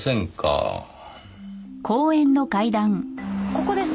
ここです。